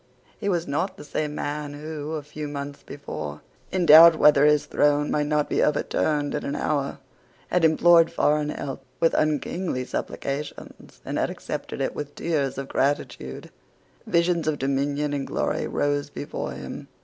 He was not the same man who, a few months before, in doubt whether his throne might not be overturned in a hour, had implored foreign help with unkingly supplications, and had accepted it with tears of gratitude. Visions of dominion and glory rose before him.